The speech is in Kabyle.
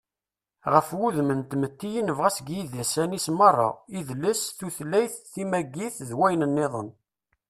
Ɣef wudem n tmetti i nebɣa seg yidisan-is meṛṛa: idles, tutlayt, timagit, d wayen-nniḍen.